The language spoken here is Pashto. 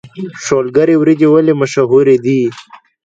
شولګرې وريجې ولې مشهورې دي؟